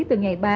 từ ngày ba